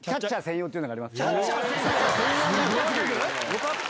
よかった。